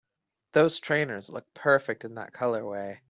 Those trainers look perfect in that colorway!